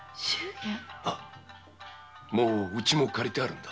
もう家も借りてあるんだ。